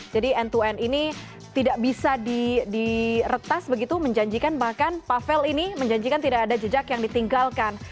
jadi end to end ini tidak bisa di retas begitu menjanjikan bahkan pavel ini menjanjikan tidak ada jejak yang ditinggalkan